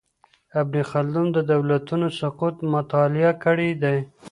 ابن خلدون د دولتونو سقوط مطالعه کړی دی.